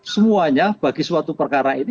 semuanya bagi suatu perkara ini